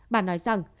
bà nói rằng